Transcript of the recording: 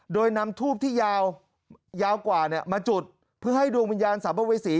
โดยนำทูบที่ยาวกว่ามาจุดเพื่อให้ดวงวิญญาณสัมภเวษี